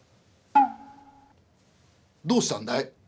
「どうしたんだい？」。